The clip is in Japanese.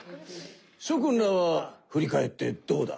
しょ君らはふり返ってどうだ？